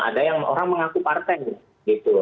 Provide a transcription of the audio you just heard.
ada yang orang mengaku partai gitu